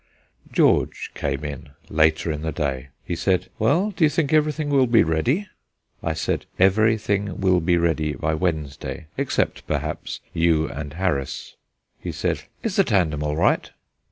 George came in later in the day. He said: "Well, do you think everything will be ready?" I said: "Everything will be ready by Wednesday, except, perhaps, you and Harris." He said: "Is the tandem all right?"